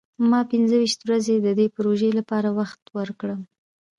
ما پنځه ویشت ورځې د دې پروژې لپاره وخت ورکړ.